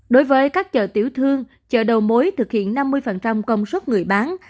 đối với các chợ tiểu thương chợ đầu mối thực hiện năm mươi công suất người bán